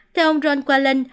theo ông ron quallon